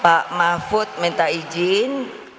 pak mahfud minta izin